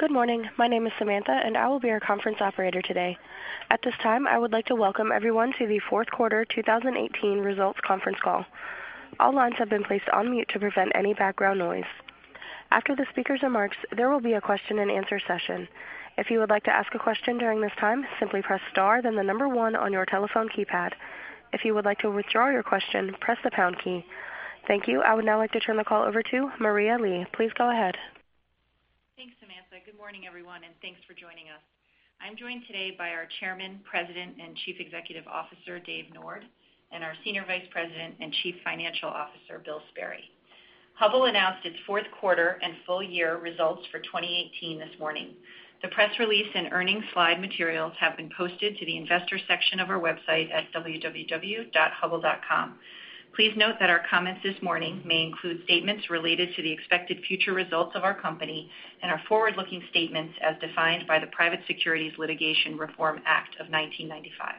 Good morning. My name is Samantha, and I will be your conference operator today. At this time, I would like to welcome everyone to the fourth quarter 2018 results conference call. All lines have been placed on mute to prevent any background noise. After the speakers' remarks, there will be a question and answer session. If you would like to ask a question during this time, simply press star then the number one on your telephone keypad. If you would like to withdraw your question, press the pound key. Thank you. I would now like to turn the call over to Maria Lee. Please go ahead. Thanks, Samantha. Good morning, everyone. Thanks for joining us. I'm joined today by our Chairman, President, and Chief Executive Officer, Dave Nord, and our Senior Vice President and Chief Financial Officer, Bill Sperry. Hubbell announced its fourth quarter and full year results for 2018 this morning. The press release and earnings slide materials have been posted to the investor section of our website at www.hubbell.com. Please note that our comments this morning may include statements related to the expected future results of our company and are forward-looking statements as defined by the Private Securities Litigation Reform Act of 1995.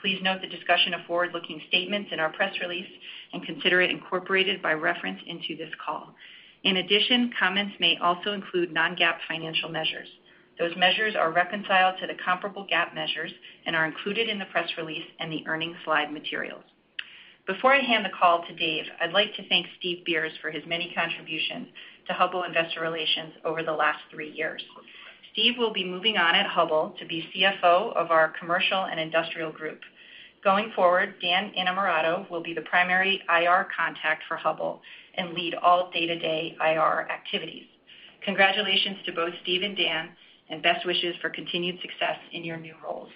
Please note the discussion of forward-looking statements in our press release and consider it incorporated by reference into this call. In addition, comments may also include non-GAAP financial measures. Those measures are reconciled to the comparable GAAP measures and are included in the press release and the earnings slide materials. Before I hand the call to Dave, I'd like to thank Steve Beers for his many contributions to Hubbell investor relations over the last three years. Steve will be moving on at Hubbell to be CFO of our Commercial and Industrial group. Going forward, Dan Innamorato will be the primary IR contact for Hubbell and lead all day-to-day IR activities. Congratulations to both Steve and Dan, best wishes for continued success in your new roles.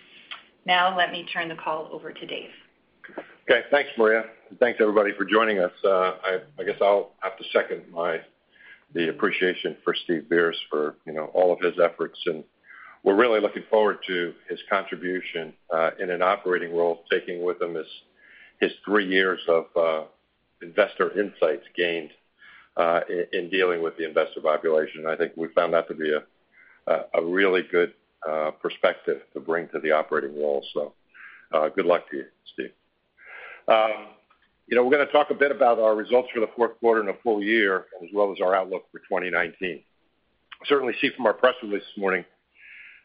Now let me turn the call over to Dave. Okay, thanks, Maria. Thanks, everybody, for joining us. I guess I'll have to second the appreciation for Steve Beers for all of his efforts, and we're really looking forward to his contribution in an operating role, taking with him his three years of investor insights gained in dealing with the investor population. I think we found that to be a really good perspective to bring to the operating role. Good luck to you, Steve. We're going to talk a bit about our results for the fourth quarter and the full year, as well as our outlook for 2019. Certainly see from our press release this morning,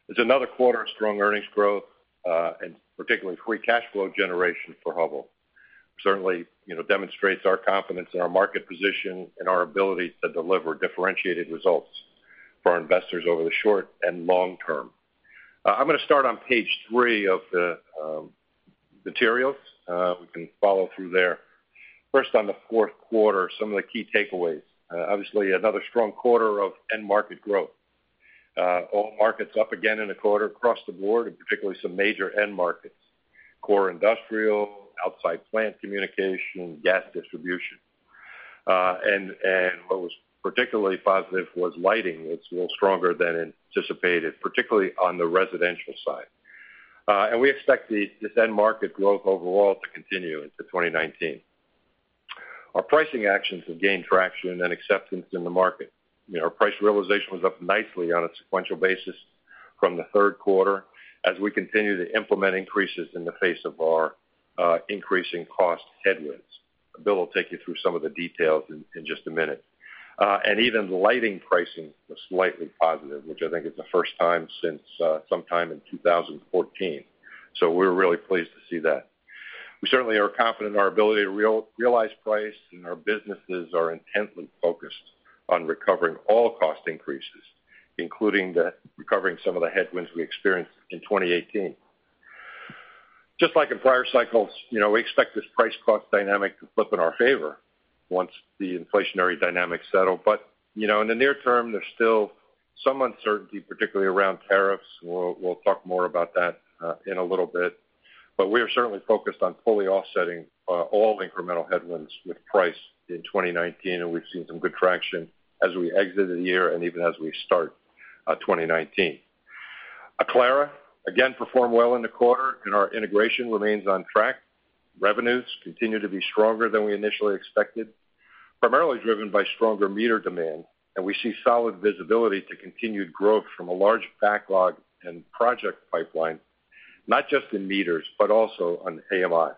it's another quarter of strong earnings growth, and particularly free cash flow generation for Hubbell. Certainly, demonstrates our confidence in our market position and our ability to deliver differentiated results for our investors over the short and long term. I'm going to start on page three of the materials. We can follow through there. First on the fourth quarter, some of the key takeaways. Obviously, another strong quarter of end market growth. All markets up again in the quarter across the board, and particularly some major end markets, core industrial, outside plant communication, gas distribution. What was particularly positive was lighting was a little stronger than anticipated, particularly on the residential side. We expect this end market growth overall to continue into 2019. Our pricing actions have gained traction and acceptance in the market. Our price realization was up nicely on a sequential basis from the third quarter as we continue to implement increases in the face of our increasing cost headwinds. Bill will take you through some of the details in just a minute. Even the lighting pricing was slightly positive, which I think is the first time since sometime in 2014. We're really pleased to see that. We certainly are confident in our ability to realize price. Our businesses are intently focused on recovering all cost increases, including recovering some of the headwinds we experienced in 2018. Just like in prior cycles, we expect this price-cost dynamic to flip in our favor once the inflationary dynamics settle. In the near term, there's still some uncertainty, particularly around tariffs. We'll talk more about that in a little bit. We are certainly focused on fully offsetting all incremental headwinds with price in 2019. We've seen some good traction as we exit the year and even as we start 2019. Aclara again performed well in the quarter. Our integration remains on track. Revenues continue to be stronger than we initially expected, primarily driven by stronger meter demand, and we see solid visibility to continued growth from a large backlog and project pipeline, not just in meters, but also on AMI.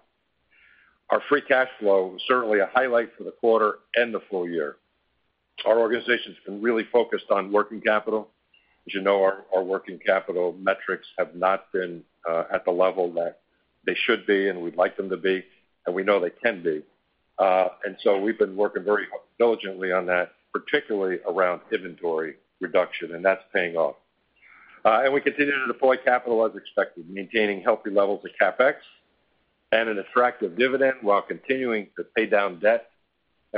Our free cash flow was certainly a highlight for the quarter and the full year. Our organization's been really focused on working capital. As you know, our working capital metrics have not been at the level that they should be, and we'd like them to be, and we know they can be. So we've been working very diligently on that, particularly around inventory reduction, and that's paying off. We continue to deploy capital as expected, maintaining healthy levels of CapEx and an attractive dividend while continuing to pay down debt.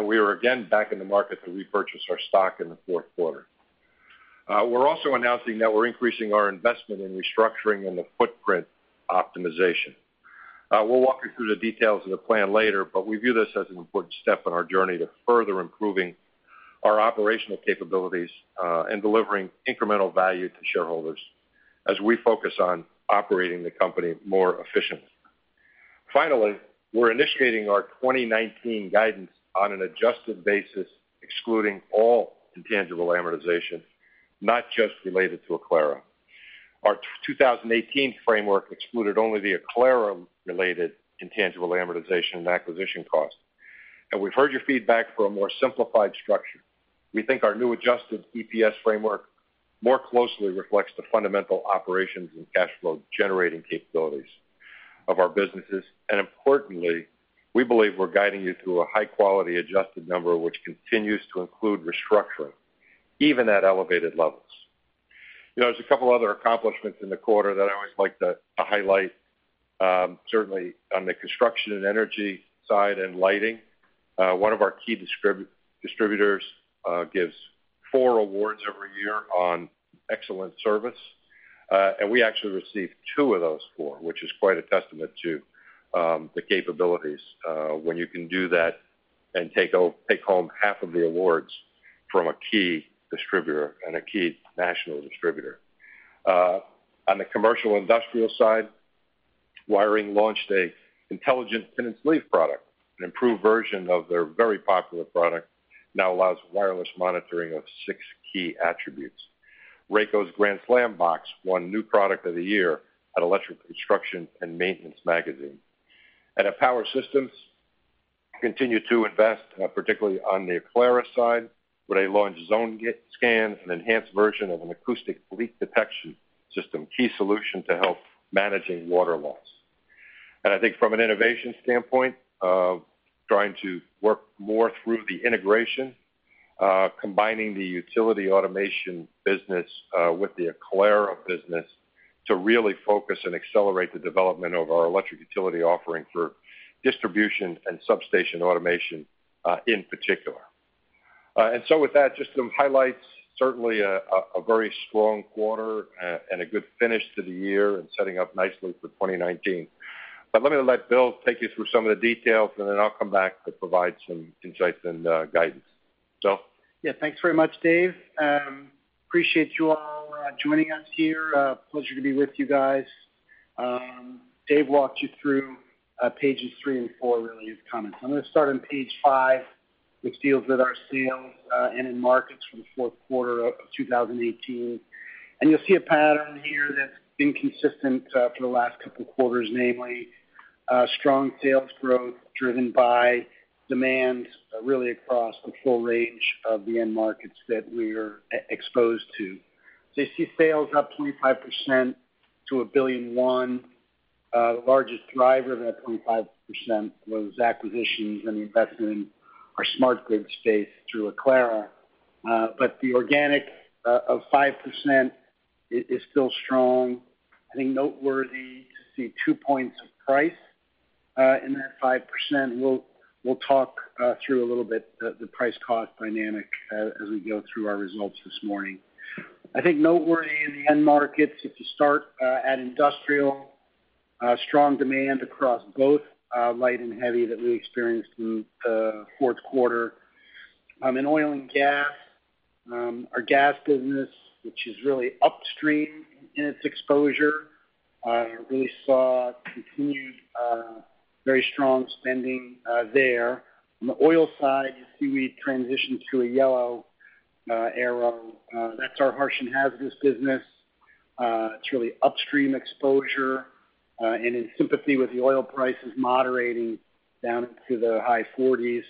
We are again back in the market to repurchase our stock in the fourth quarter. We're also announcing that we're increasing our investment in restructuring and the footprint optimization. We'll walk you through the details of the plan later. We view this as an important step in our journey to further improving our operational capabilities, and delivering incremental value to shareholders as we focus on operating the company more efficiently. Finally, we're initiating our 2019 guidance on an adjusted basis, excluding all intangible amortization, not just related to Aclara. Our 2018 framework excluded only the Aclara-related intangible amortization and acquisition costs. We've heard your feedback for a more simplified structure. We think our new adjusted EPS framework more closely reflects the fundamental operations and cash flow generating capabilities of our businesses. Importantly, we believe we're guiding you through a high-quality adjusted number, which continues to include restructuring, even at elevated levels. There's a couple other accomplishments in the quarter that I always like to highlight. Certainly, on the construction and energy side and lighting, one of our key distributors gives four awards every year on excellent service. We actually received two of those four, which is quite a testament to the capabilities, when you can do that and take home half of the awards from a key distributor and a key national distributor. On the Commercial and Industrial side, wiring launched an intelligent pin and sleeve product, an improved version of their very popular product, now allows wireless monitoring of six key attributes. RACO's Grand Slam Box won New Product of the Year at Electrical Construction & Maintenance magazine. At Power Systems, we continue to invest, particularly on the Aclara side, where they launched ZoneScan, an enhanced version of an acoustic leak detection system, a key solution to help managing water loss. I think from an innovation standpoint, trying to work more through the integration, combining the utility automation business with the Aclara business to really focus and accelerate the development of our electric utility offering for distribution and substation automation in particular. With that, just some highlights, certainly a very strong quarter and a good finish to the year and setting up nicely for 2019. Let me let Bill take you through some of the details, and then I'll come back to provide some insights and guidance. So Yeah. Thanks very much, Dave. Appreciate you all joining us here. Pleasure to be with you guys. Dave walked you through pages three and four, really, of comments. I'm going to start on page five, which deals with our sales and end markets for the fourth quarter of 2018. You'll see a pattern here that's been consistent for the last couple of quarters, namely strong sales growth driven by demand really across the full range of the end markets that we are exposed to. You see sales up 25% to $1.1 billion. The largest driver of that 25% was acquisitions and investment in our smart grid space through Aclara. The organic of 5% is still strong. I think noteworthy to see two points of price in that 5%. We'll talk through a little bit the price cost dynamic as we go through our results this morning. I think noteworthy in the end markets, if you start at Industrial, strong demand across both light and heavy that we experienced in the fourth quarter. In Oil and Gas, our gas business, which is really upstream in its exposure, really saw continued very strong spending there. On the oil side, you see we transitioned to a yellow arrow. That's our harsh and hazardous business. It's really upstream exposure. In sympathy with the oil prices moderating down into the high 40s,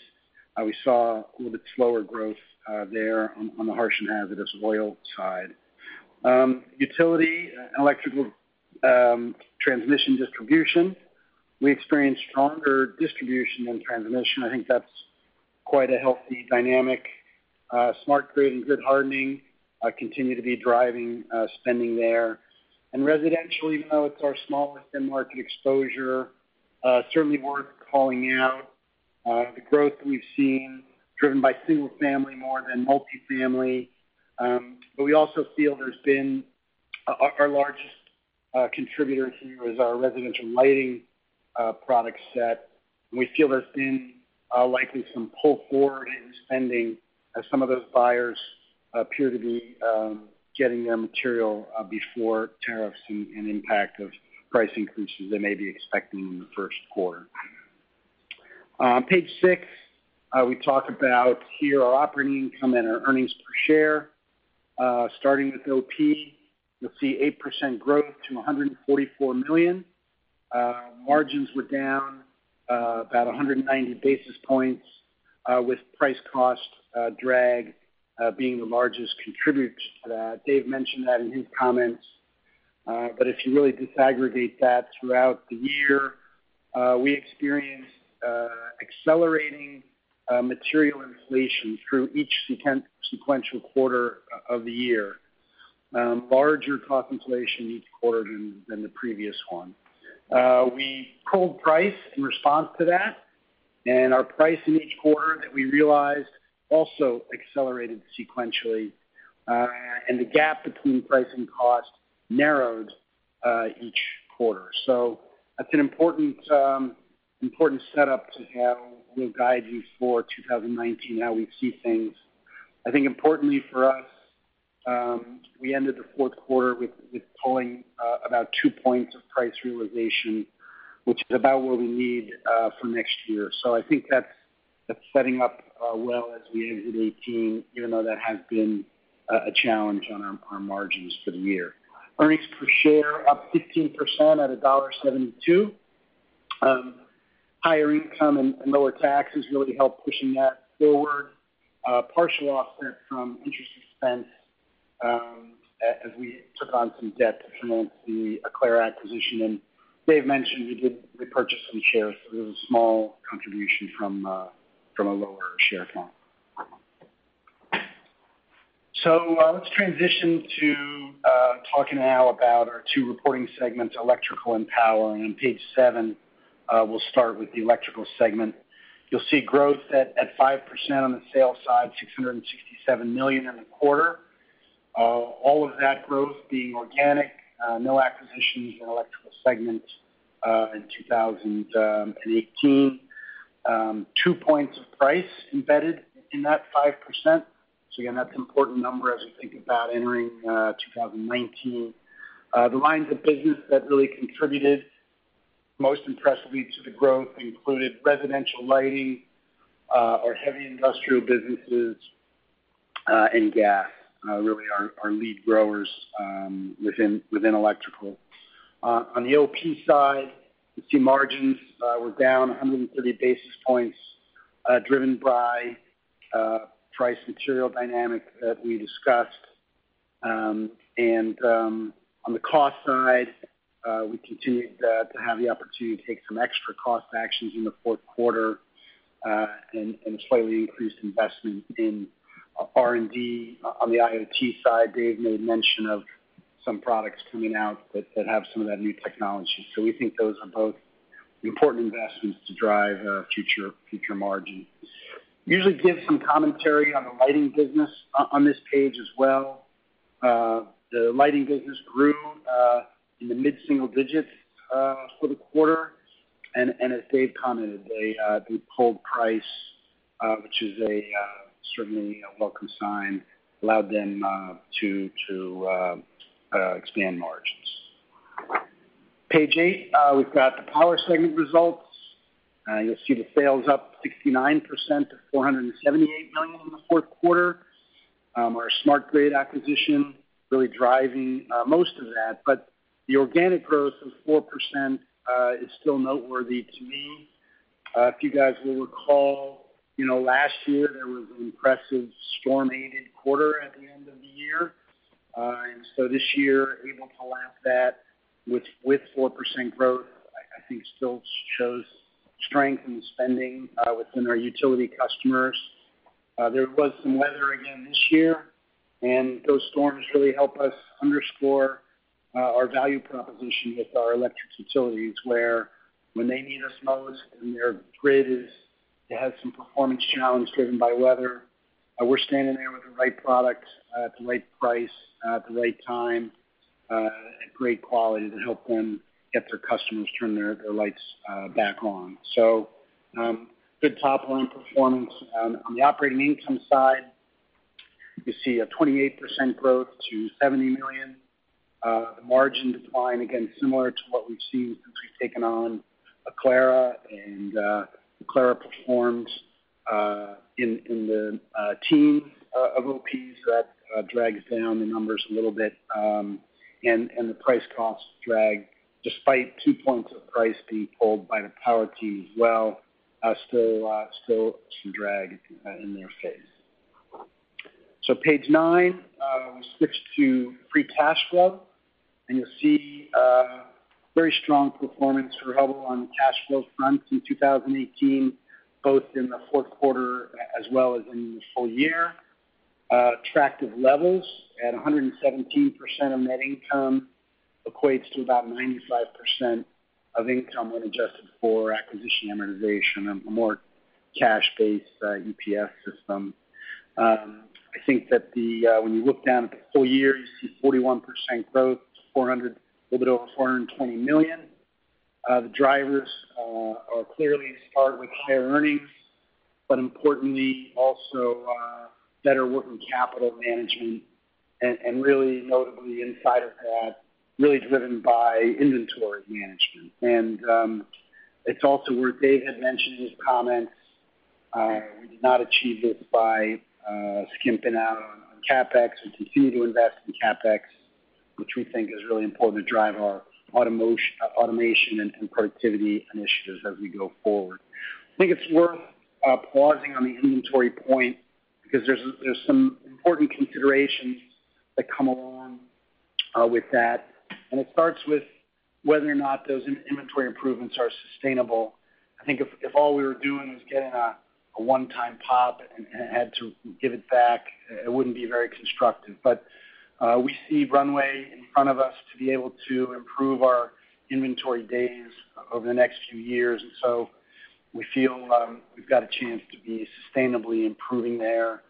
we saw a little bit slower growth there on the harsh and hazardous oil side. Utility, Electrical Transmission Distribution, we experienced stronger distribution than transmission. I think that's quite a healthy dynamic. Smart grid and grid hardening continue to be driving spending there. Residentially, even though it's our smallest end market exposure, certainly worth calling out the growth we've seen driven by single-family more than multi-family. Our largest contributor here is our residential lighting product set. We feel there's been likely some pull forward in spending as some of those buyers appear to be getting their material before tariffs and impact of price increases they may be expecting in the first quarter. On page six, we talk about here our operating income and our earnings per share. Starting with OP, you'll see 8% growth to $144 million. Margins were down about 190 basis points, with price cost drag being the largest contributor to that. Dave mentioned that in his comments. If you really disaggregate that throughout the year, we experienced accelerating material inflation through each sequential quarter of the year. Larger cost inflation each quarter than the previous one. We pulled price in response to that, and our price in each quarter that we realized also accelerated sequentially. The gap between price and cost narrowed each quarter. That's an important setup to have. We'll guide you for 2019, how we see things. I think importantly for us, we ended the fourth quarter with pulling about two points of price realization, which is about what we need for next year. I think that's setting up well as we end with 2018, even though that has been a challenge on our margins for the year. Earnings per share up 15% at $1.72. Higher income and lower taxes really helped pushing that forward. Partial offset from interest expense as we took on some debt to finance the Aclara acquisition. Dave mentioned we did repurchase some shares, so there was a small contribution from a lower share count. Let's transition to talking now about our two reporting segments, electrical and power, and on page seven, we'll start with the electrical segment. You'll see growth at 5% on the sales side, $667 million in the quarter. All of that growth being organic, no acquisitions in electrical segment in 2018. Two points of price embedded in that 5%. Again, that's an important number as we think about entering 2019. The lines of business that really contributed most impressively to the growth included residential lighting, our heavy industrial businesses, and gas. Really our lead growers within electrical. On the OP side, you'll see margins were down 130 basis points, driven by price material dynamic that we discussed. On the cost side, we continued to have the opportunity to take some extra cost actions in the fourth quarter, and slightly increased investment in R&D. On the IoT side, Dave made mention of some products coming out that have some of that new technology. We think those are both important investments to drive future margin. Usually give some commentary on the lighting business on this page as well. The lighting business grew in the mid-single digits for the quarter. As Dave commented, they pulled price, which is certainly a welcome sign, allowed them to expand margins. Page eight, we've got the power segment results. You'll see the sales up 69% to $478 million in the fourth quarter. Our smart grid acquisition really driving most of that. The organic growth of 4% is still noteworthy to me. If you guys will recall, last year there was an impressive storm-aided quarter at the end of the year. This year, able to lap that with 4% growth, I think still shows strength in the spending within our utility customers. There was some weather again this year, and those storms really help us underscore our value proposition with our electric utilities, where when they need us most and their grid has some performance challenge driven by weather, we're standing there with the right products at the right price, at the right time, at great quality to help them get their customers turn their lights back on. Good top-line performance. On the operating income side, you see a 28% growth to $70 million. The margin decline, again, similar to what we've seen since we've taken on Aclara. Aclara performs in the teen OPs. That drags down the numbers a little bit. The price cost drag, despite two points of price being pulled by the power team as well, still some drag in their phase. Page nine, we switch to free cash flow. You'll see very strong performance for Hubbell on the cash flow front through 2018, both in the fourth quarter as well as in the full year. Attractive levels at 117% of net income equates to about 95% of income when adjusted for acquisition amortization, a more cash-based EPS system. I think that when you look down at the full year, you see 41% growth, a little bit over $420 million. The drivers are clearly start with higher earnings, but importantly also better working capital management and really notably inside of that, really driven by inventory management. It's also where Dave had mentioned in his comments, we did not achieve this by skimping out on CapEx. We continue to invest in CapEx, which we think is really important to drive our automation and productivity initiatives as we go forward. I think it's worth pausing on the inventory point because there's some important considerations that come along with that, and it starts with whether or not those inventory improvements are sustainable. I think if all we were doing was getting a one-time pop and had to give it back, it wouldn't be very constructive. We see runway in front of us to be able to improve our inventory days over the next few years. We feel we've got a chance to be sustainably improving there.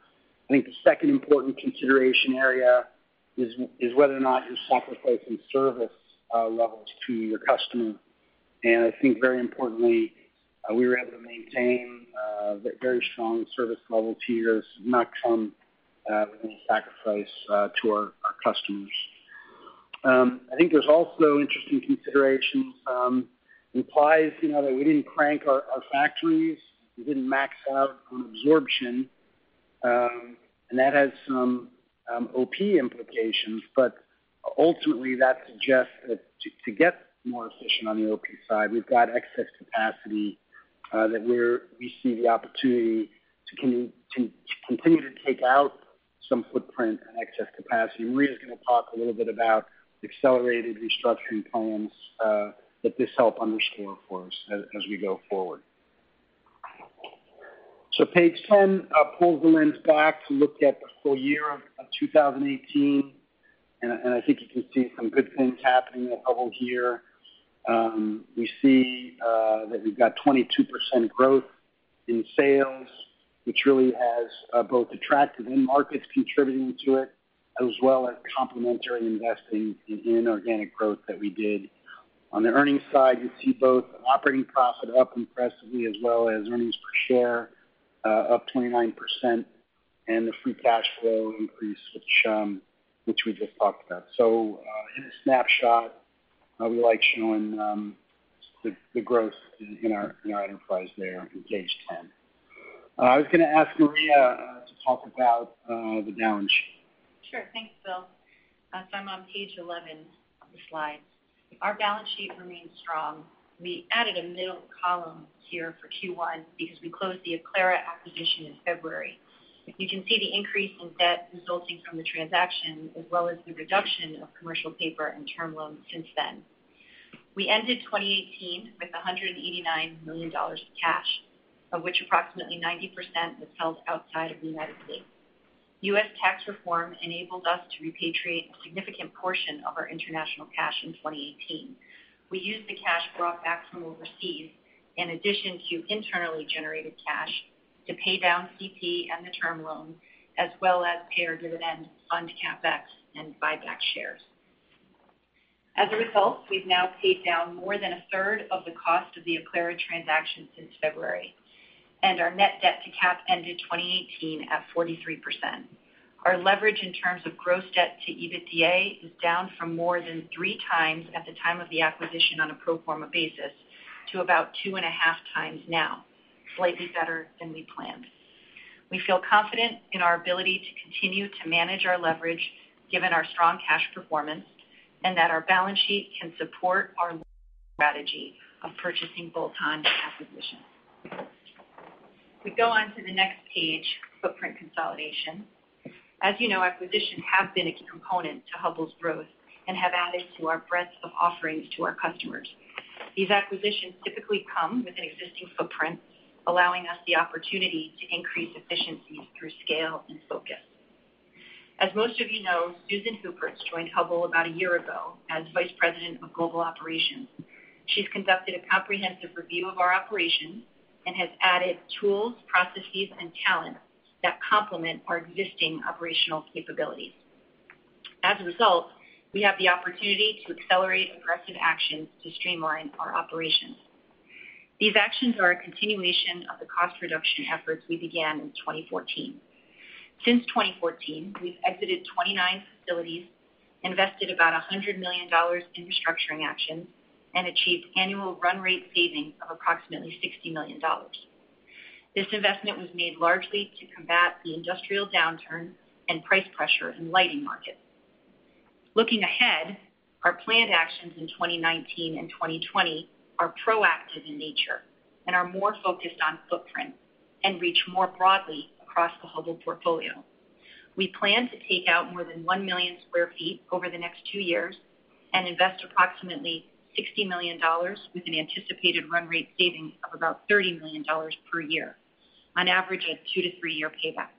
I think the second important consideration area is whether or not you sacrifice in service levels to your customer. I think very importantly, we were able to maintain very strong service level tiers, not some little sacrifice to our customers. I think there's also interesting considerations. Implies that we didn't crank our factories. We didn't max out on absorption. That has some OP implications, but ultimately, that suggests that to get more efficient on the OP side, we've got excess capacity that we see the opportunity to continue to take out some footprint and excess capacity. Maria's going to talk a little bit about accelerated restructuring plans that this help underscore for us as we go forward. Page 10 pulls the lens back to look at the full year of 2018, and I think you can see some good things happening at Hubbell here. We see that we've got 22% growth in sales, which really has both attractive end markets contributing to it, as well as complementary investing in inorganic growth that we did. On the earnings side, you see both operating profit up impressively, as well as earnings per share up 29%, and the free cash flow increase, which we just talked about. In a snapshot, we like showing the growth in our enterprise there on page 10. I was going to ask Maria to talk about the balance sheet. Sure. Thanks, Bill. I'm on page 11 of the slides. Our balance sheet remains strong. We added a middle column here for Q1 because we closed the Aclara acquisition in February. You can see the increase in debt resulting from the transaction, as well as the reduction of commercial paper and term loans since then. We ended 2018 with $189 million of cash, of which approximately 90% was held outside of the United States. U.S. tax reform enabled us to repatriate a significant portion of our international cash in 2018. We used the cash brought back from overseas, in addition to internally generated cash, to pay down CP and the term loan, as well as pay our dividend, fund CapEx, and buy back shares. As a result, we've now paid down more than a third of the cost of the Aclara transaction since February. Our net debt to cap ended 2018 at 43%. Our leverage in terms of gross debt to EBITDA is down from more than three times at the time of the acquisition on a pro forma basis to about two and a half times now, slightly better than we planned. We feel confident in our ability to continue to manage our leverage given our strong cash performance, and that our balance sheet can support our strategy of purchasing bolt-on acquisitions. We go on to the next page, footprint consolidation. As you know, acquisitions have been a key component to Hubbell's growth and have added to our breadth of offerings to our customers. These acquisitions typically come with an existing footprint, allowing us the opportunity to increase efficiencies through scale and focus. As most of you know, Susan Huppertz joined Hubbell about a year ago as Vice President of Global Operations. She's conducted a comprehensive review of our operations and has added tools, processes, and talent that complement our existing operational capabilities. As a result, we have the opportunity to accelerate aggressive actions to streamline our operations. These actions are a continuation of the cost reduction efforts we began in 2014. Since 2014, we've exited 29 facilities, invested about $100 million in restructuring actions, and achieved annual run rate savings of approximately $60 million. This investment was made largely to combat the industrial downturn and price pressure in lighting markets. Looking ahead, our planned actions in 2019 and 2020 are proactive in nature and are more focused on footprint and reach more broadly across the Hubbell portfolio. We plan to take out more than 1 million square feet over the next 2 years and invest approximately $60 million with an anticipated run rate saving of about $30 million per year on average, a 2-3 year payback.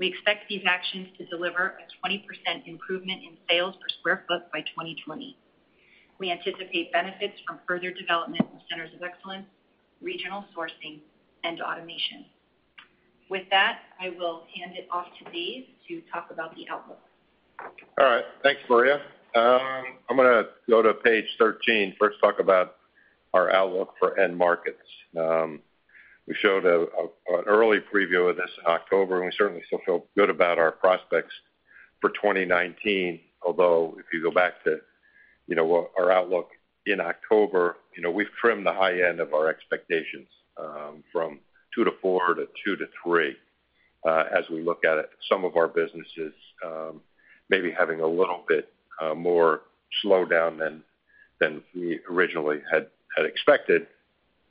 We expect these actions to deliver a 20% improvement in sales per square foot by 2020. We anticipate benefits from further development in centers of excellence, regional sourcing, and automation. With that, I will hand it off to Dave to talk about the outlook. All right. Thanks, Maria. I'm going to go to page 13, first talk about our outlook for end markets. We showed an early preview of this in October, we certainly still feel good about our prospects for 2019, if you go back to our outlook in October, we've trimmed the high end of our expectations from 2-4 to 2-3. We look at it, some of our businesses maybe having a little bit more slowdown than we originally had expected,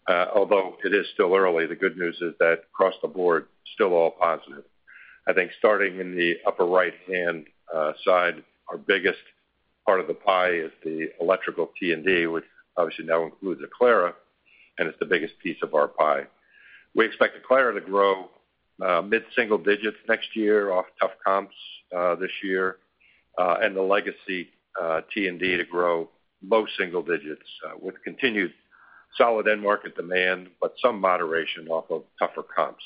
it is still early. The good news is that across the board, still all positive. I think starting in the upper right-hand side, our biggest part of the pie is the electrical T&D, which obviously now includes Aclara, and it's the biggest piece of our pie. We expect Aclara to grow mid-single digits next year off tough comps this year, and the legacy T&D to grow low single digits with continued solid end market demand, but some moderation off of tougher comps.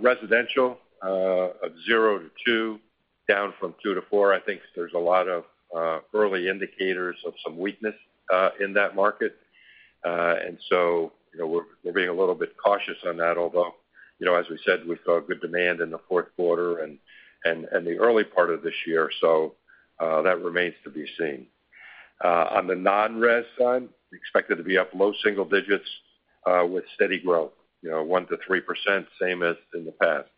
Residential, a 0-2 Down from 2-4. I think there's a lot of early indicators of some weakness in that market. We're being a little bit cautious on that, as we said, we saw good demand in the fourth quarter and the early part of this year, that remains to be seen. On the non-res side, we expect it to be up low single digits with steady growth, 1%-3%, same as in the past.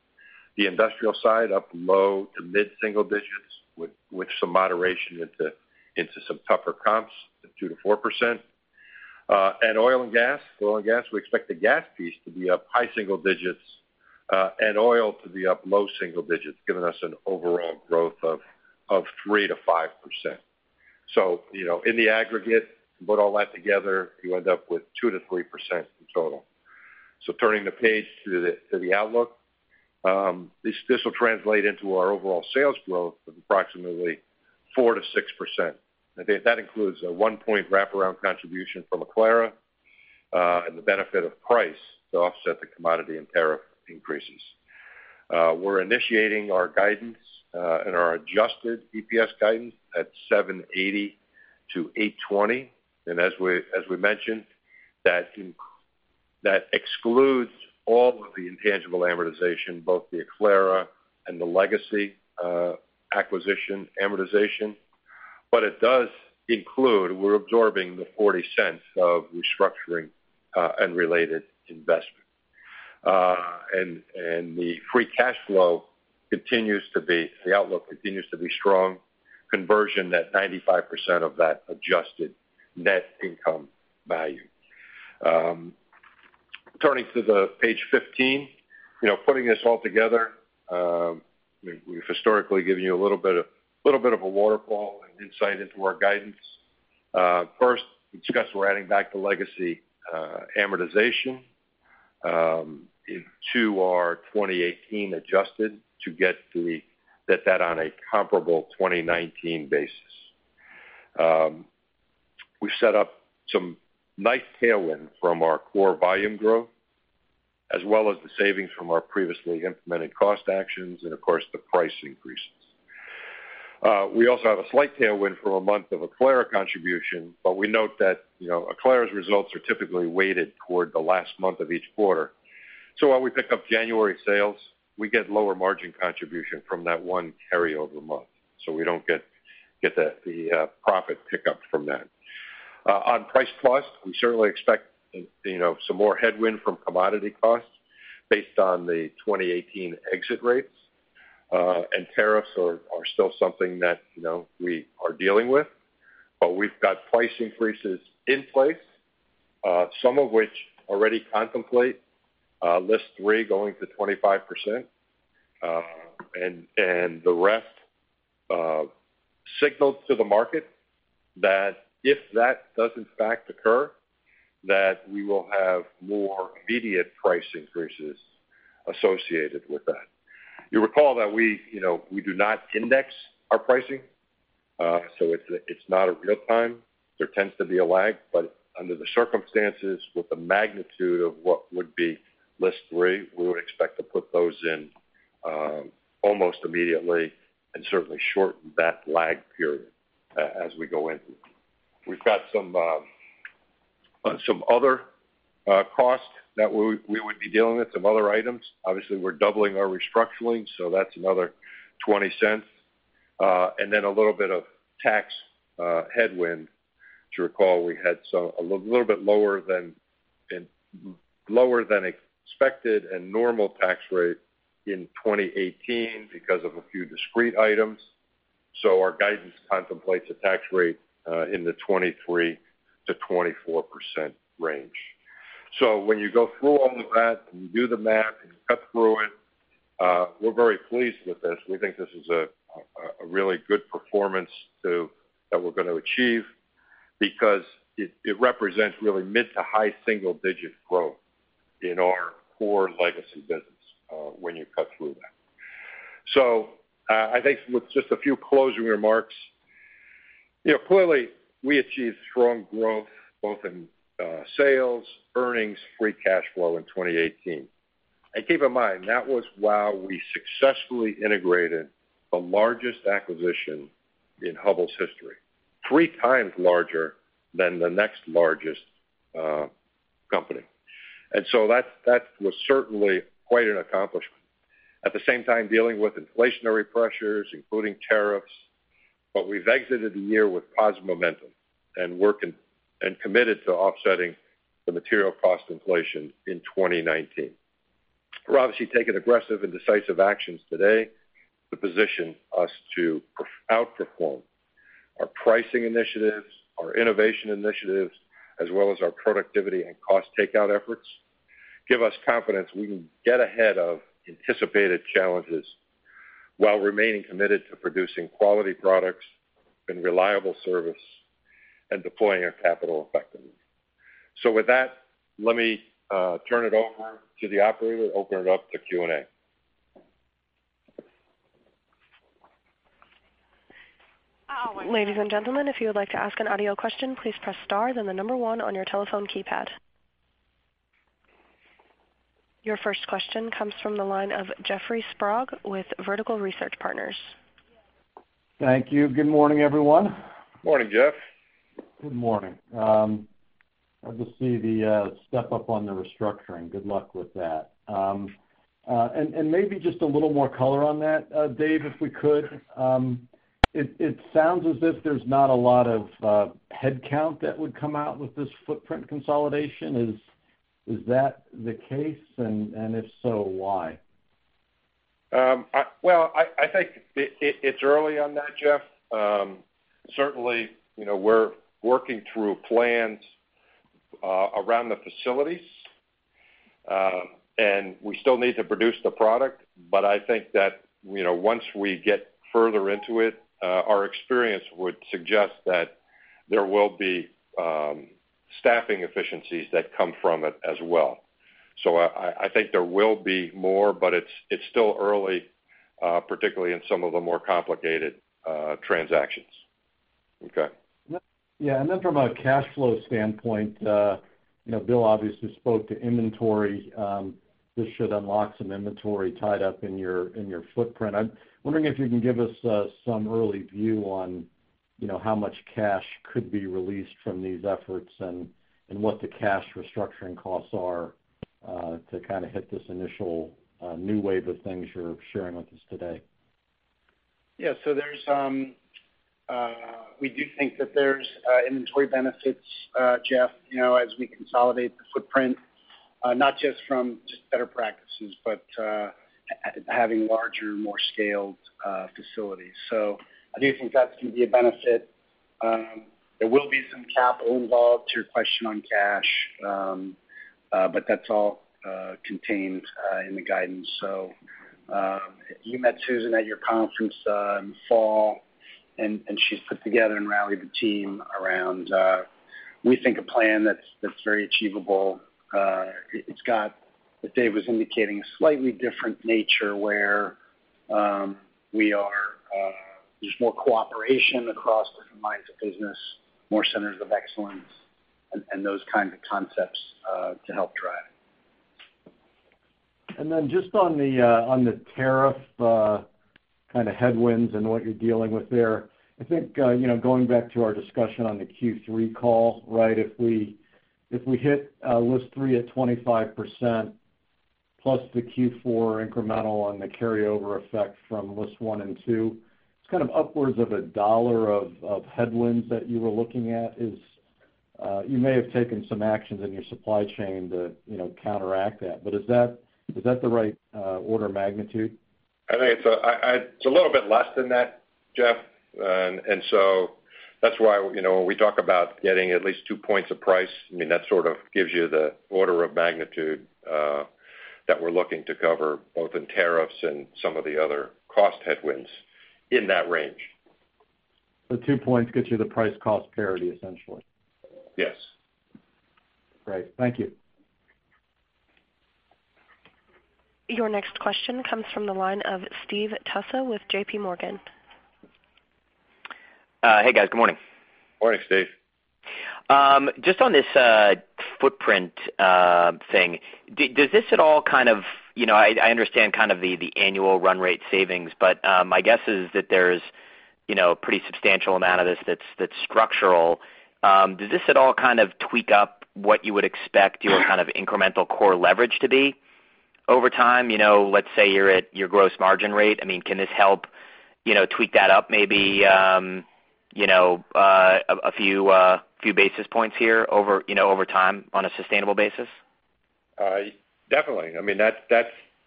The industrial side up low to mid single digits with some moderation into some tougher comps at 2%-4%. Oil and gas, we expect the gas piece to be up high single digits, and oil to be up low single digits, giving us an overall growth of 3%-5%. In the aggregate, put all that together, you end up with 2%-3% in total. Turning the page to the outlook. This will translate into our overall sales growth of approximately 4%-6%. That includes a 1-point wraparound contribution from Aclara, and the benefit of price to offset the commodity and tariff increases. We are initiating our guidance and our adjusted EPS guidance at $7.80-$8.20. As we mentioned, that excludes all of the intangible amortization, both the Aclara and the legacy acquisition amortization. It does include, we are absorbing the $0.40 of restructuring and related investment. The outlook continues to be strong. Conversion at 95% of that adjusted net income value. Turning to the page 15. Putting this all together, we have historically given you a little bit of a waterfall and insight into our guidance. First, discuss we are adding back the legacy amortization into our 2018 adjusted to get to that on a comparable 2019 basis. We set up some nice tailwind from our core volume growth, as well as the savings from our previously implemented cost actions and of course the price increases. We also have a slight tailwind from a month of Aclara contribution, but we note that Aclara's results are typically weighted toward the last month of each quarter. While we pick up January sales, we get lower margin contribution from that one carryover month. We do not get the profit pickup from that. On price plus, we certainly expect some more headwind from commodity costs based on the 2018 exit rates. Tariffs are still something that we are dealing with. We have got price increases in place, some of which already contemplate List 3 going to 25%, and the rest signaled to the market that if that does in fact occur, that we will have more immediate price increases associated with that. You will recall that we do not index our pricing. It is not a real time. There tends to be a lag, but under the circumstances with the magnitude of what would be List 3, we would expect to put those in almost immediately and certainly shorten that lag period as we go in. We have got some other costs that we would be dealing with, some other items. Obviously, we are doubling our restructuring, so that is another $0.20. A little bit of tax headwind. To recall, we had a little bit lower than expected and normal tax rate in 2018 because of a few discrete items. Our guidance contemplates a tax rate in the 23%-24% range. When you go through all of that and you do the math and you cut through it, we are very pleased with this. We think this is a really good performance that we are going to achieve because it represents really mid to high single-digit growth in our core legacy business when you cut through that. I think with just a few closing remarks. Clearly we achieved strong growth both in sales, earnings, free cash flow in 2018. Keep in mind, that was while we successfully integrated the largest acquisition in Hubbell's history, three times larger than the next largest company. That was certainly quite an accomplishment. At the same time dealing with inflationary pressures, including tariffs. We've exited the year with positive momentum and committed to offsetting the material cost inflation in 2019. We're obviously taking aggressive and decisive actions today to position us to outperform. Our pricing initiatives, our innovation initiatives, as well as our productivity and cost takeout efforts give us confidence we can get ahead of anticipated challenges while remaining committed to producing quality products and reliable service and deploying our capital effectively. With that, let me turn it over to the operator to open it up to Q&A. Ladies and gentlemen, if you would like to ask an audio question, please press star then the number 1 on your telephone keypad. Your first question comes from the line of Jeffrey Sprague with Vertical Research Partners. Thank you. Good morning, everyone. Morning, Jeff. Good morning. Glad to see the step up on the restructuring. Good luck with that. Maybe just a little more color on that, Dave, if we could. It sounds as if there's not a lot of headcount that would come out with this footprint consolidation. Is that the case? If so, why? Well, I think it's early on that, Jeff. Certainly, we're working through plans around the facilities, and we still need to produce the product. I think that once we get further into it, our experience would suggest that there will be staffing efficiencies that come from it as well. I think there will be more, but it's still early, particularly in some of the more complicated transactions. Okay. Yeah. Then from a cash flow standpoint, Bill obviously spoke to inventory. This should unlock some inventory tied up in your footprint. I'm wondering if you can give us some early view on how much cash could be released from these efforts and what the cash restructuring costs are to kind of hit this initial new wave of things you're sharing with us today. Yeah. We do think that there's inventory benefits, Jeff, as we consolidate the footprint, not just from just better practices, but having larger, more scaled facilities. I do think that's going to be a benefit. There will be some capital involved, to your question on cash, but that's all contained in the guidance. You met Susan at your conference in fall, and she's put together and rallied the team around, we think, a plan that's very achievable. It's got, as Dave was indicating, a slightly different nature where there's more cooperation across different lines of business, more centers of excellence, and those kinds of concepts to help drive. Just on the tariff kind of headwinds and what you're dealing with there, I think going back to our discussion on the Q3 call, if we hit List III at 25% plus the Q4 incremental on the carryover effect from List 1 and 2, it's kind of upwards of $1 of headwinds that you were looking at. You may have taken some actions in your supply chain to counteract that, but is that the right order of magnitude? I think it's a little bit less than that, Jeff. That's why when we talk about getting at least two points of price, I mean, that sort of gives you the order of magnitude that we're looking to cover, both in tariffs and some of the other cost headwinds in that range. Two points gets you the price cost parity, essentially. Yes. Great. Thank you. Your next question comes from the line of Steve Tusa with J.P. Morgan. Hey, guys. Good morning. Morning, Steve. Just on this footprint thing, I understand kind of the annual run rate savings, but my guess is that there's a pretty substantial amount of this that's structural. Does this at all kind of tweak up what you would expect your kind of incremental core leverage to be over time? Let's say your gross margin rate, I mean, can this help tweak that up maybe a few basis points here over time on a sustainable basis? Definitely.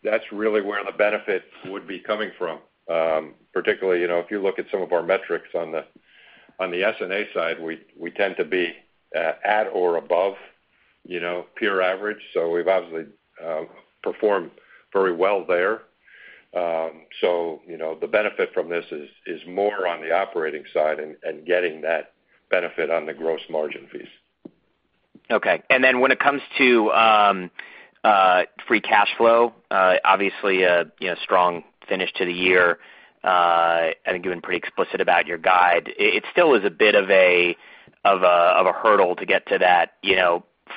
That's really where the benefit would be coming from. Particularly if you look at some of our metrics on the SG&A side, we tend to be at or above peer average. We've obviously performed very well there. The benefit from this is more on the operating side and getting that benefit on the gross margin fees. Okay. When it comes to free cash flow, obviously a strong finish to the year. I think you've been pretty explicit about your guide. It still is a bit of a hurdle to get to that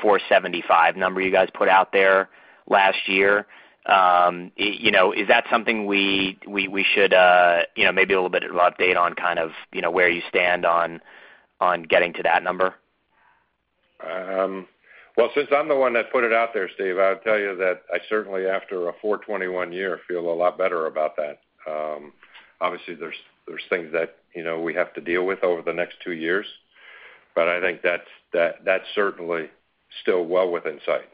$475 number you guys put out there last year. Is that something we should maybe a little bit of an update on kind of where you stand on getting to that number? Well, since I'm the one that put it out there, Steve, I'll tell you that I certainly, after a $421 year, feel a lot better about that. Obviously, there's things that we have to deal with over the next two years, but I think that's certainly still well within sight.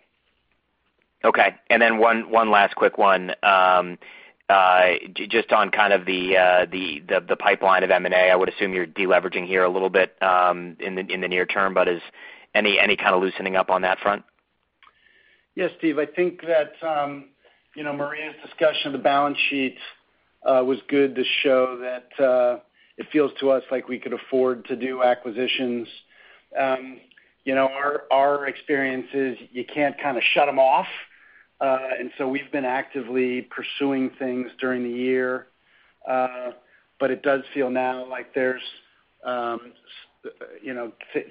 Okay. One last quick one. Just on kind of the pipeline of M&A, I would assume you're de-leveraging here a little bit in the near term, but any kind of loosening up on that front? Yes, Steve. I think that Maria's discussion of the balance sheet was good to show that it feels to us like we could afford to do acquisitions. Our experience is you can't kind of shut them off, we've been actively pursuing things during the year. It does feel now like there's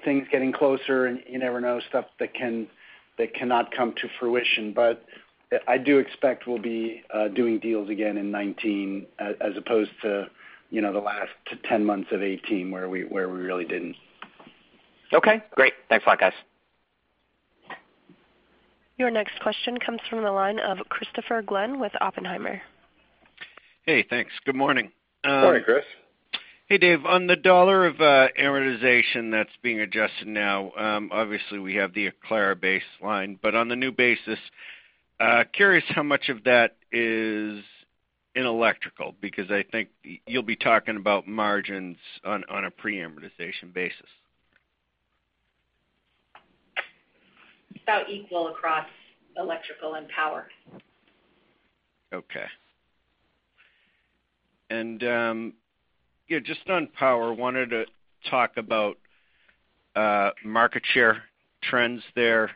things getting closer, you never know stuff that cannot come to fruition. I do expect we'll be doing deals again in 2019 as opposed to the last 10 months of 2018 where we really didn't. Okay, great. Thanks a lot, guys. Your next question comes from the line of Christopher Glynn with Oppenheimer. Hey, thanks. Good morning. Morning, Chris. Hey, Dave. On the $ of amortization that's being adjusted now, obviously we have the Aclara baseline, but on the new basis, curious how much of that is in Electrical, because I think you'll be talking about margins on a pre-amortization basis. About equal across Electrical and Power. Okay. Just on Power, wanted to talk about market share trends there.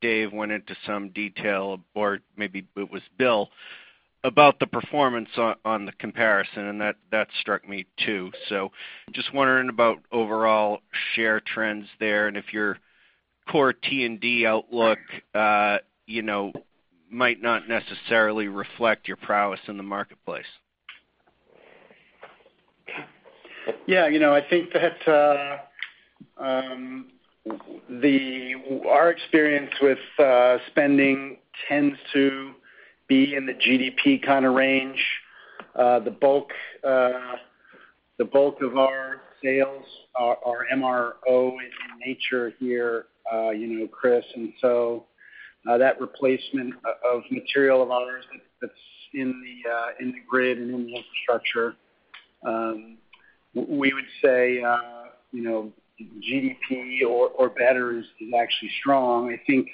Dave went into some detail, or maybe it was Bill, about the performance on the comparison, and that struck me, too. Just wondering about overall share trends there and if your core T&D outlook might not necessarily reflect your prowess in the marketplace. Yeah. I think that our experience with spending tends to be in the GDP kind of range. The bulk of our sales are MRO in nature here, Chris. That replacement of material of ours that's in the grid and in the infrastructure, we would say GDP or better is actually strong. I think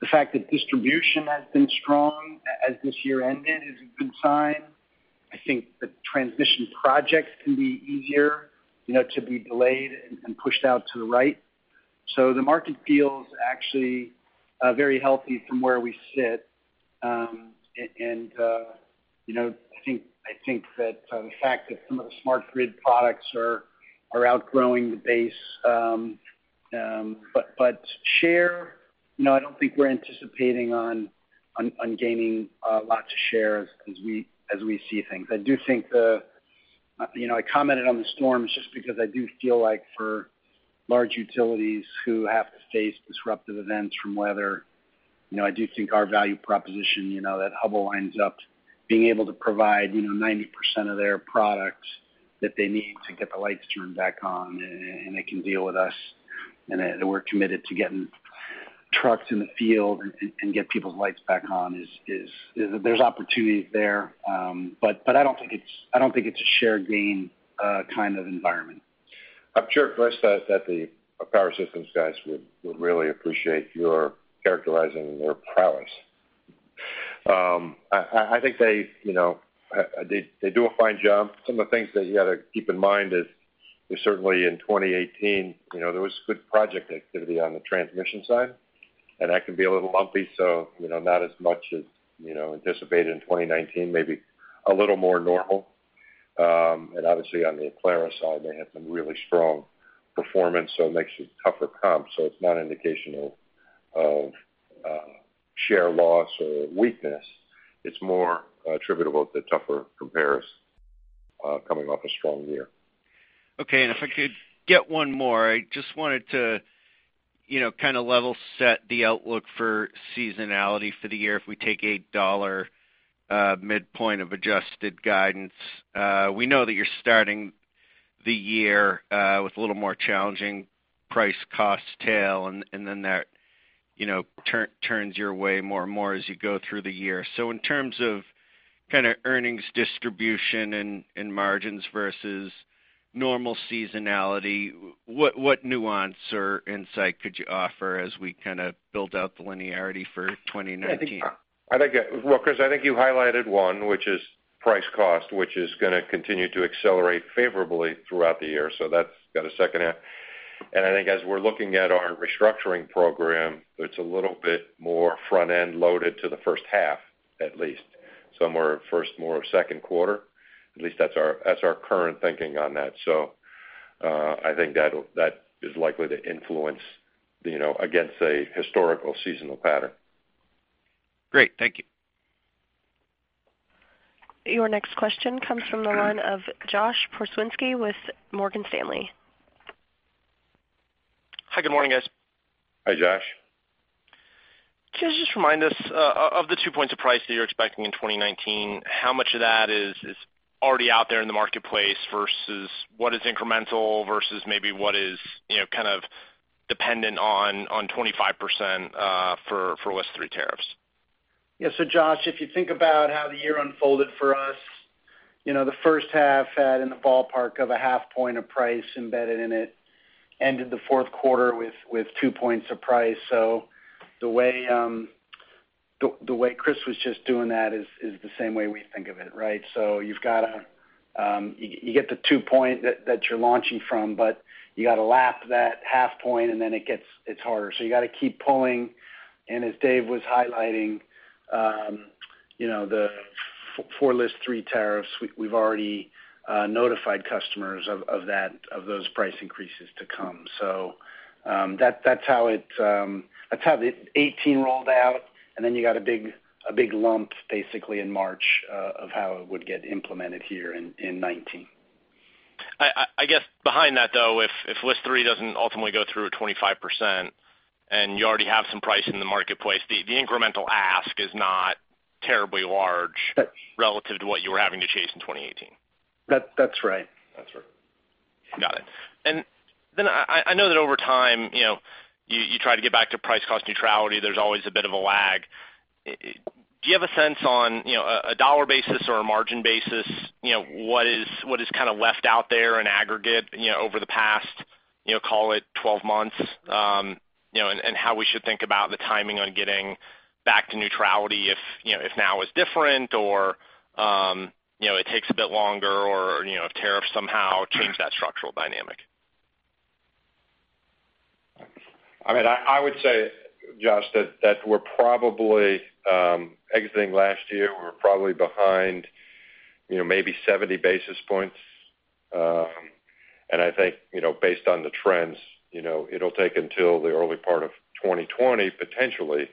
the fact that distribution has been strong as this year ended is a good sign. I think the transmission projects can be easier to be delayed and pushed out to the right. The market feels actually very healthy from where we sit. I think that the fact that some of the smart grid products are outgrowing the base. Share, I don't think we're anticipating on gaining lots of shares as we see things. I commented on the storms just because I do feel like for large utilities who have to face disruptive events from weather, I do think our value proposition, that Hubbell ends up being able to provide 90% of their products that they need to get the lights turned back on, and they can deal with us, and we're committed to getting trucks in the field and get people's lights back on is. There's opportunity there. I don't think it's a share gain kind of environment. I'm sure, Chris, that the Power Systems guys would really appreciate your characterizing their prowess. I think they do a fine job. Some of the things that you got to keep in mind is certainly in 2018, there was good project activity on the transmission side, and that can be a little lumpy, so not as much as anticipated in 2019, maybe a little more normal. Obviously on the Aclara side, they had some really strong performance, so it makes a tougher comp. It's not an indication of share loss or weakness. It's more attributable to tougher comparison coming off a strong year. Okay. If I could get one more, I just wanted to kind of level set the outlook for seasonality for the year if we take a $ midpoint of adjusted guidance. We know that you're starting the year with a little more challenging price cost tail, and then that turns your way more and more as you go through the year. In terms of kind of earnings distribution and margins versus normal seasonality, what nuance or insight could you offer as we kind of build out the linearity for 2019? Well, Chris, I think you highlighted one, which is price cost, which is going to continue to accelerate favorably throughout the year. That's got a second half. I think as we're looking at our restructuring program, it's a little bit more front-end loaded to the first half, at least. Some are first, more second quarter. At least that's our current thinking on that. I think that is likely to influence against a historical seasonal pattern. Great. Thank you. Your next question comes from the line of Josh Pokrzywinski with Morgan Stanley. Hi, good morning, guys. Hi, Josh. Can you just remind us of the two points of price that you're expecting in 2019, how much of that is already out there in the marketplace versus what is incremental versus maybe what is kind of dependent on 25% for List 3 tariffs? Yeah. Josh, if you think about how the year unfolded for us, the first half had in the ballpark of a half point of price embedded in it, ended the fourth quarter with two points of price. The way Chris was just doing that is the same way we think of it, right? You get the two point that you're launching from, but you got to lap that half point, and then it gets harder. You got to keep pulling. As Dave was highlighting, the four List 3 tariffs, we've already notified customers of those price increases to come. That's how the 2018 rolled out, and then you got a big lump basically in March of how it would get implemented here in 2019. I guess behind that, though, if List 3 doesn't ultimately go through at 25% and you already have some price in the marketplace, the incremental ask is not terribly large. That- relative to what you were having to chase in 2018. That's right. That's right. Got it. I know that over time, you try to get back to price cost neutrality. There's always a bit of a lag. Do you have a sense on a dollar basis or a margin basis, what is kind of left out there in aggregate over the past, call it 12 months, and how we should think about the timing on getting back to neutrality if now is different or it takes a bit longer or if tariffs somehow change that structural dynamic? I would say, Josh, that we're probably exiting last year, we're probably behind maybe 70 basis points. I think, based on the trends, it'll take until the early part of 2020, potentially,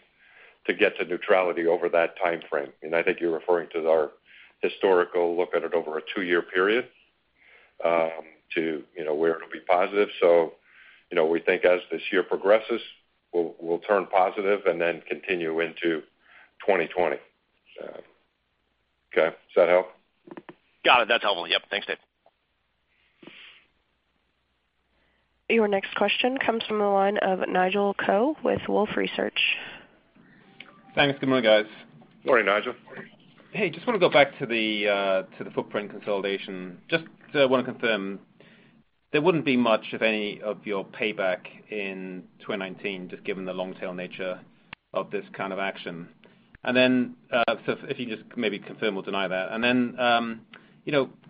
to get to neutrality over that timeframe. I think you're referring to our historical look at it over a two-year period, to where it'll be positive. We think as this year progresses, we'll turn positive and then continue into 2020. Okay. Does that help? Got it. That's helpful. Yep. Thanks, Dave. Your next question comes from the line of Nigel Coe with Wolfe Research. Thanks. Good morning, guys. Morning, Nigel. Morning. Hey, want to confirm there wouldn't be much, if any, of your payback in 2019, just given the long tail nature of this kind of action. If you can just maybe confirm or deny that.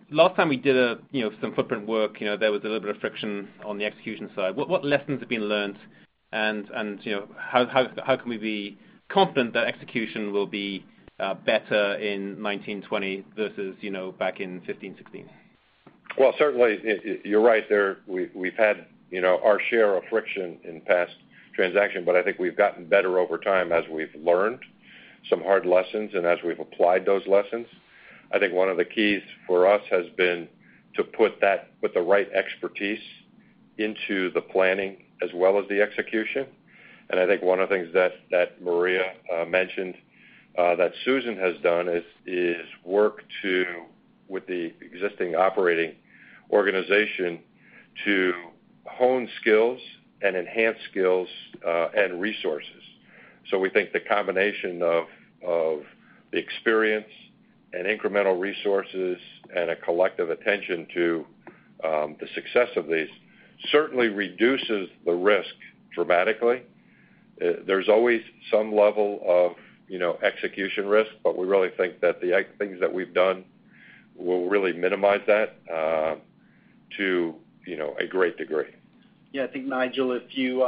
Last time we did some footprint work, there was a little bit of friction on the execution side. What lessons have been learned and how can we be confident that execution will be better in 2019, 2020 versus back in 2015, 2016? Well, certainly, you're right. We've had our share of friction in past transaction, but I think we've gotten better over time as we've learned some hard lessons and as we've applied those lessons. I think one of the keys for us has been to put the right expertise into the planning as well as the execution. I think one of the things that Maria mentioned that Susan has done is work with the existing operating organization to hone skills and enhance skills and resources. We think the combination of the experience and incremental resources and a collective attention to the success of these certainly reduces the risk dramatically. There's always some level of execution risk, but we really think that the things that we've done will really minimize that to a great degree. Yeah. I think, Nigel, if you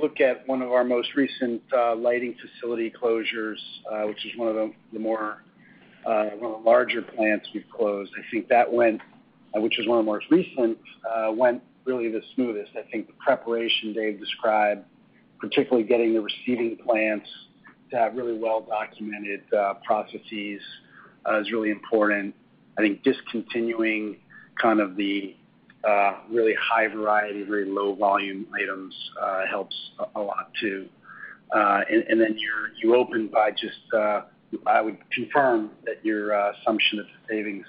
look at one of our most recent lighting facility closures, which is one of the larger plants we've closed, I think that one, which is one of the more recent, went really the smoothest. I think the preparation Dave described, particularly getting the receiving plants to have really well-documented processes is really important. I think discontinuing kind of the really high variety, very low volume items helps a lot, too. You opened by just I would confirm that your assumption of the savings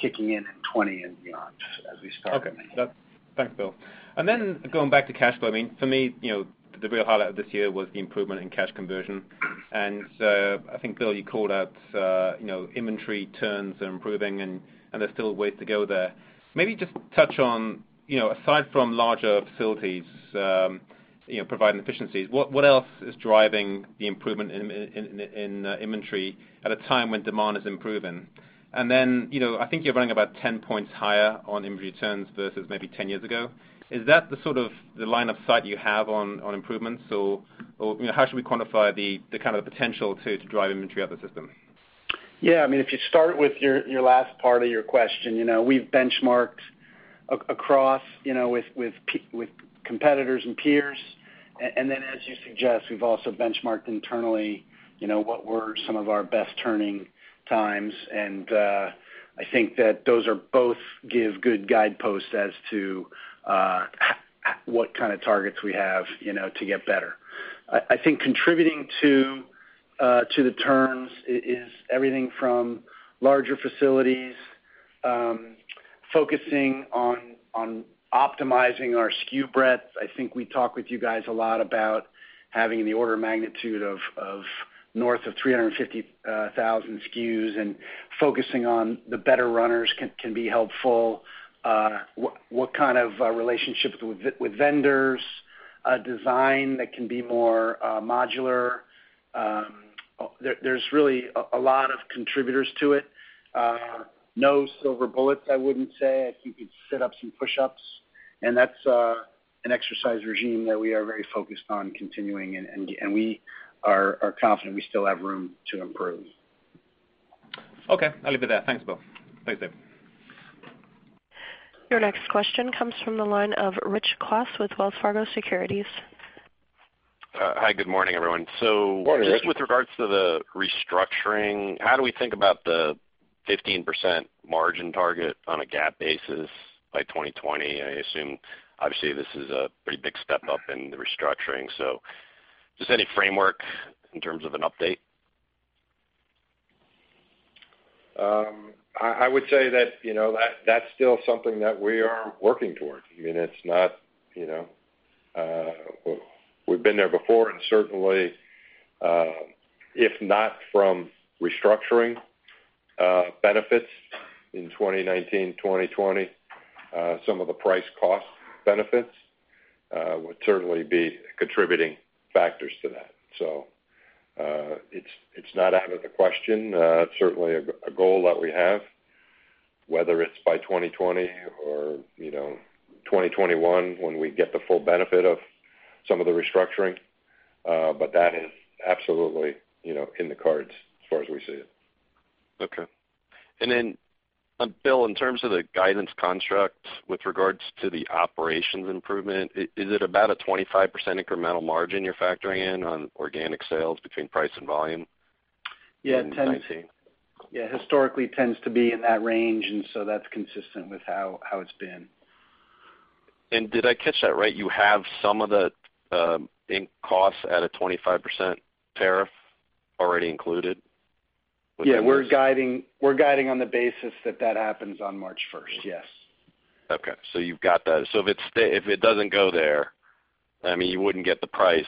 kicking in in 2020 and beyond as we start coming in. Okay. Thanks, Bill. Going back to cash flow, for me, the real highlight of this year was the improvement in cash conversion. I think, Bill, you called out inventory turns are improving, and there's still ways to go there. Maybe just touch on, aside from larger facilities providing efficiencies, what else is driving the improvement in inventory at a time when demand is improving? I think you're running about 10 points higher on inventory turns versus maybe 10 years ago. Is that the sort of the line of sight you have on improvements? Or how should we quantify the kind of potential to drive inventory out the system? If you start with your last part of your question, we've benchmarked across with competitors and peers. As you suggest, we've also benchmarked internally, what were some of our best turning times. I think that those both give good guideposts as to what kind of targets we have to get better. I think contributing to the turns is everything from larger facilities, focusing on optimizing our SKU breadth. I think we talk with you guys a lot about having in the order of magnitude of north of 350,000 SKUs and focusing on the better runners can be helpful. What kind of relationships with vendors, a design that can be more modular. There's really a lot of contributors to it. No silver bullets, I wouldn't say. That's an exercise regime that we are very focused on continuing, and we are confident we still have room to improve. Okay, I'll leave it there. Thanks, Bill. Thanks, Dan. Your next question comes from the line of Rich Kwas with Wells Fargo Securities. Hi, good morning, everyone. Morning, Rich. Just with regards to the restructuring, how do we think about the 15% margin target on a GAAP basis by 2020? I assume, obviously, this is a pretty big step up in the restructuring, so just any framework in terms of an update? I would say that's still something that we are working towards. We've been there before and certainly, if not from restructuring benefits in 2019, 2020, some of the price cost benefits would certainly be contributing factors to that. It's not out of the question. It's certainly a goal that we have, whether it's by 2020 or 2021, when we get the full benefit of some of the restructuring. That is absolutely in the cards as far as we see it. Okay. Bill, in terms of the guidance construct with regards to the operations improvement, is it about a 25% incremental margin you're factoring in on organic sales between price and volume in 2019? Yeah, historically tends to be in that range, and so that's consistent with how it's been. Did I catch that right? You have some of the inc costs at a 25% tariff already included with the- Yeah, we're guiding on the basis that that happens on March 1st. Yes. Okay. You've got that. If it doesn't go there, you wouldn't get the price,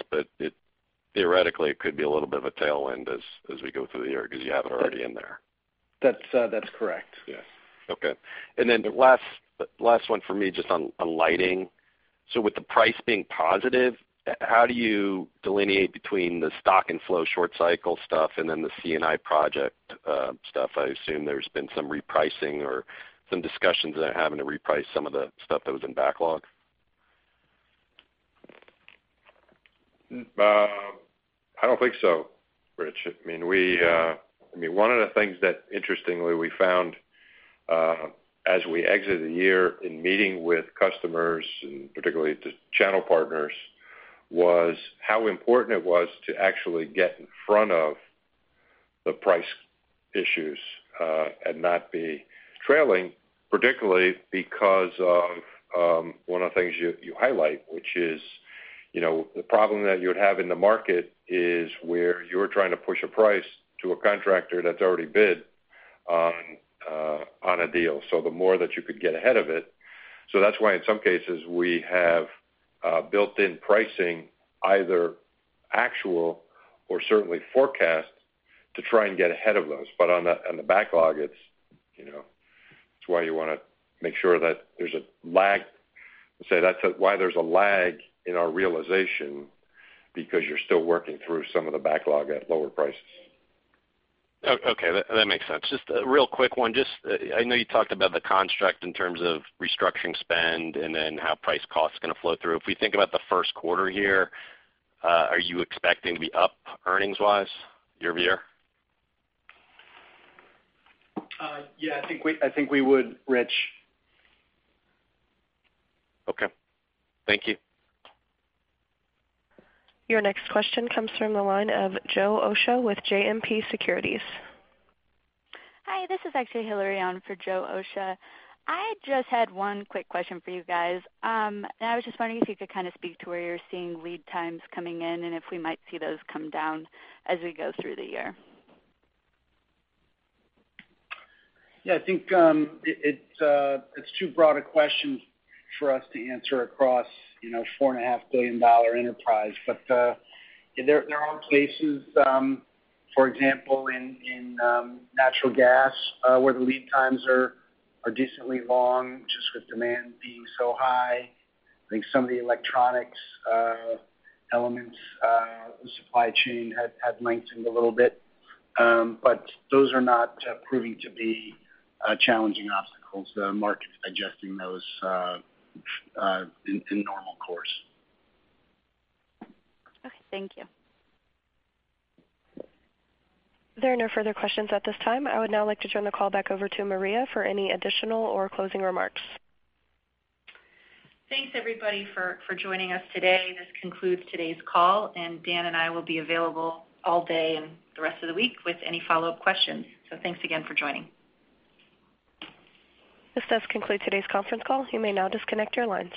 theoretically, it could be a little bit of a tailwind as we go through the year because you have it already in there. That's correct. Yes. Okay. The last one from me, just on lighting. With the price being positive, how do you delineate between the stock and flow short cycle stuff and then the C&I project stuff? I assume there's been some repricing or some discussions around having to reprice some of the stuff that was in backlog. I don't think so, Rich. One of the things that interestingly we found as we exited the year in meeting with customers, particularly the channel partners, was how important it was to actually get in front of the price issues, not be trailing, particularly because of one of the things you highlight, which is the problem that you would have in the market is where you're trying to push a price to a contractor that's already bid on a deal. The more that you could get ahead of it. That's why, in some cases, we have built in pricing, either actual or certainly forecast, to try and get ahead of those. On the backlog, that's why there's a lag in our realization, because you're still working through some of the backlog at lower prices. Okay. That makes sense. Just a real quick one. I know you talked about the construct in terms of restructuring spend and then how price cost is going to flow through. If we think about the first quarter here, are you expecting to be up earnings wise year-over-year? Yeah, I think we would, Rich. Okay. Thank you. Your next question comes from the line of Joe Osha with JMP Securities. Hi, this is actually Hilary on for Joe Osha. I just had one quick question for you guys. I was just wondering if you could kind of speak to where you're seeing lead times coming in, and if we might see those come down as we go through the year. Yeah, I think it's too broad a question for us to answer across a $4.5 billion enterprise. There are places, for example, in natural gas, where the lead times are decently long, just with demand being so high. I think some of the electronics elements of the supply chain had lengthened a little bit. Those are not proving to be challenging obstacles. The market is adjusting those in normal course. Okay. Thank you. There are no further questions at this time. I would now like to turn the call back over to Maria for any additional or closing remarks. Thanks, everybody, for joining us today. This concludes today's call. Dan and I will be available all day and the rest of the week with any follow-up questions. Thanks again for joining. This does conclude today's conference call. You may now disconnect your lines.